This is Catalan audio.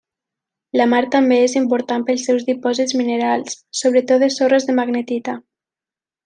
La mar també és important pels seus dipòsits minerals, sobretot de sorres de magnetita.